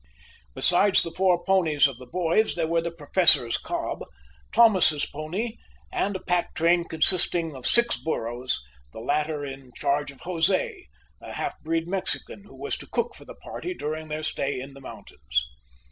Besides the four ponies of the boys there were the Professor's cob, Thomas's pony and a pack train consisting of six burros, the latter in charge of Jose, a half breed Mexican, who was to cook for the party during their stay in the mountains.